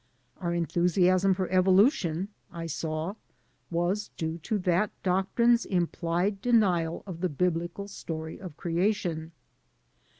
Our enthusiasm for evolution, I saw, was due to that doctrine's implied denial of the biblical story of creation.